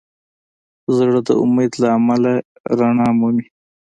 زړه د امید له امله رڼا مومي.